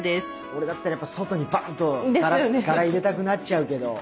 俺だったらやっぱ外にバンと柄入れたくなっちゃうけど。